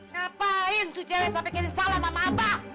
ngapain tuh cewek sampai kirim salam sama abah